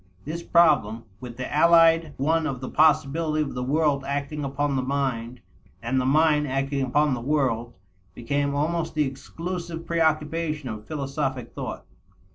This problem, with the allied one of the possibility of the world acting upon the mind and the mind acting upon the world, became almost the exclusive preoccupation of philosophic thought.